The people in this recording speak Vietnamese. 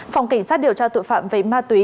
phòng kỳnh sát điều tra tội phạm với ma túy